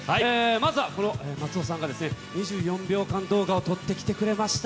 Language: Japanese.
まずはこの松尾さんが、２４秒間動画を撮ってきてくれました。